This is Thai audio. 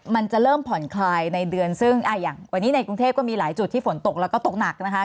มันจะเริ่มผ่อนคลายในเดือนซึ่งอย่างวันนี้ในกรุงเทพก็มีหลายจุดที่ฝนตกแล้วก็ตกหนักนะคะ